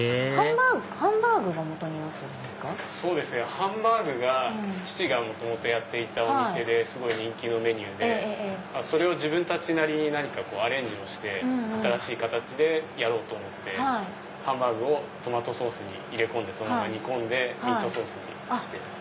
ハンバーグが父がやっていたお店ですごい人気のメニューでそれを自分たちなりに何かアレンジをして新しい形でやろうと思ってハンバーグをトマトソースに入れ込んでそのまま煮込んでミートソースにしています。